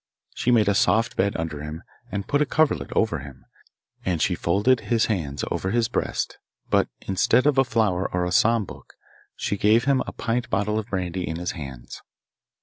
She made a soft bed under him, and put a coverlet over him, and she folded his hands over his breast; but instead of a flower or a psalm book, she gave him a pint bottle of brandy in his hands.